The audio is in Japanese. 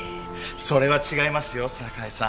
それは違いますよ堺さん。